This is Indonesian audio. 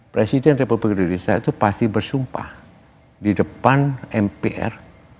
presiden republik indonesia itu pasti bersumpah di depan mpr